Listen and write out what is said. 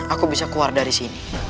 aku bisa keluar dari sini